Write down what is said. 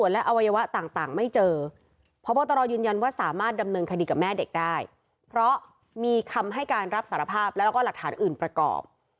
แล้วก็หลักฐานอื่นประกอบ